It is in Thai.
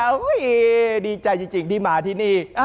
โอ้โหดีใจจริงที่มาที่นี่